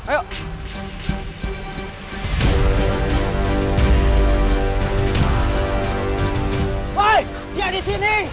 woy dia disini